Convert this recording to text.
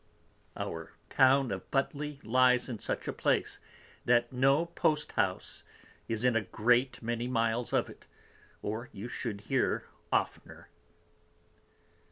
Our Town of Butly _lyes in such a place, that no Post House is in a great many Miles of it, or you should hear oftner.